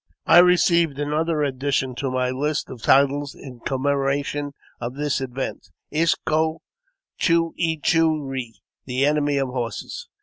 I received another addition to my list of titles in commemo ration of this event, Is ko chu e chu re, the Enemy of Horses.